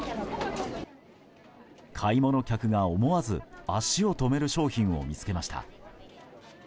買い物客が思わず足を止める商品を見つけました。